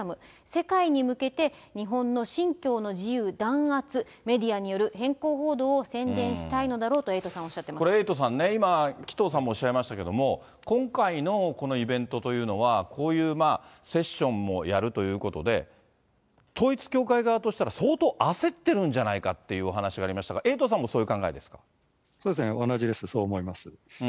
世界に向けて日本の信教の自由弾圧、メディアによる偏向報道を宣伝したいのだろうとエイトさんはおっこれエイトさんね、今、紀藤さんもおっしゃいましたけれども、今回のこのイベントというのは、こういうセッションもやるということで、統一教会側としたら相当焦ってるんじゃないかというお話ありましたが、エイトさんもそうそうですね、同じです、そう思います。